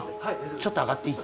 ちょっと上がっていい？